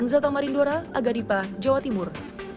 kan zatomarin dora agar dipah jawa timur